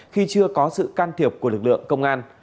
khi chưa có sự can thiệp của lực lượng công an